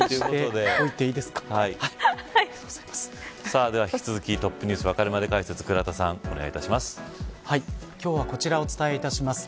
では、引き続きＴｏｐｎｅｗｓわかるまで解説倉田さん、お願いします。